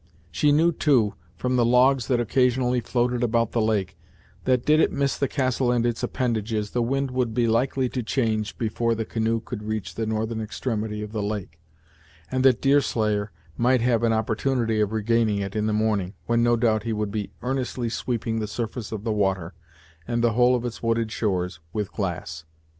She knew, too, from the logs that occasionally floated about the lake, that did it miss the castle and its appendages the wind would be likely to change before the canoe could reach the northern extremity of the lake, and that Deerslayer might have an opportunity of regaining it in the morning, when no doubt he would be earnestly sweeping the surface of the water, and the whole of its wooded shores, with glass.